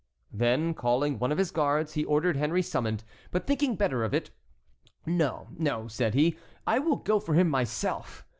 Then, calling one of his guards, he ordered Henry summoned, but thinking better of it: "No, no," said he, "I will go for him myself.